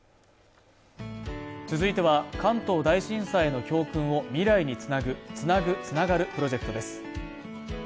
続いては関東大震災の教訓を未来につなぐ「つなぐ、つながる」プロジェクトです